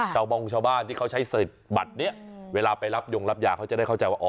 ชั่วโมงชาวบ้านที่เขาใช้สิทธิ์บัตรเนี่ยเวลาไปรับโยงรับยาเขาจะได้เข้าใจว่า